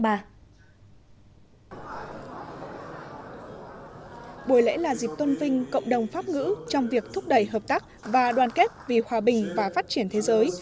buổi lễ là dịp tôn vinh cộng đồng pháp ngữ trong việc thúc đẩy hợp tác và đoàn kết vì hòa bình và phát triển thế giới